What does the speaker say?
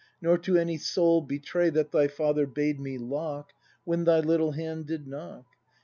Nor to any soul betray That thy father bade me lock. When thy little hand did knock.